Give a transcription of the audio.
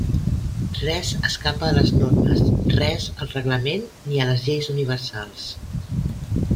Res escapa a les normes, res al reglament ni a les lleis universals.